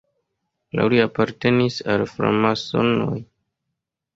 Laŭ li apartenis al framasonoj.